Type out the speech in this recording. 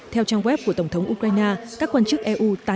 theo trang web của tổng thống ukraine các quan chức eu tái khai